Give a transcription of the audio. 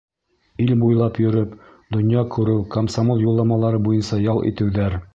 Ил буйлап йөрөп, донъя күреү, комсомол юлламалары буйынса ял итеүҙәр.